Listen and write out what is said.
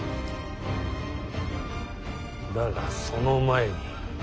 だがその前に。